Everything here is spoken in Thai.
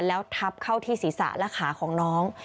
แล้วทับเข้าที่ศีรษะและขาของน้อง